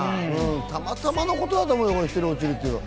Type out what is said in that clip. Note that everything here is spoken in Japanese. たまたまのことだと思うよ、１人落ちるのは。